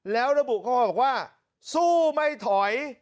แล้วระบุเขาบอกว่าสู้ไม่ถอย